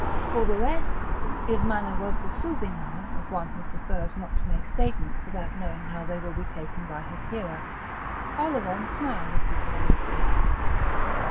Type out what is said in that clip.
For the rest, his manner was the soothing manner of one who prefers not to make statements without knowing how they will be taken by his hearer. Oleron smiled as he perceived this.